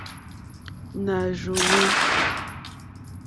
Nà rzóhwè.